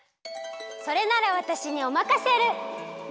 それならわたしにおまかシェル！